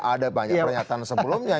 ada banyak pernyataan sebelumnya